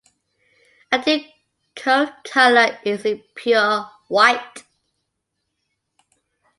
Ideal coat color is a pure white.